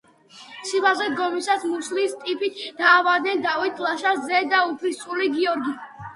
სიბაზე დგომისას მუცლის ტიფით დაავადდნენ დავით ლაშას ძე და უფლისწული გიორგი.